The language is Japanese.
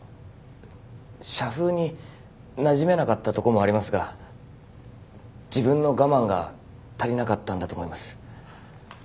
社風になじめなかったとこもありますが自分の我慢が足りなかったんだと思います。